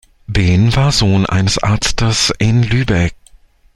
Behn war Sohn eines Arztes in Lübeck.